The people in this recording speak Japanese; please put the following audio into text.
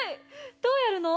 どうやるの？